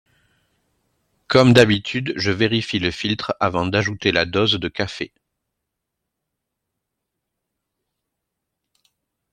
Comme d’habitude, je vérifie le filtre avant d’ajouter la dose de café.